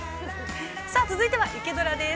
◆さあ、続いては、「イケドラ」です。